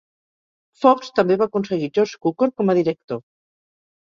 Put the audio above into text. Fox també va aconseguir George Cukor com a director.